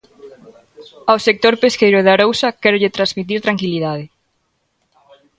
Ao sector pesqueiro de Arousa quérolle transmitir tranquilidade.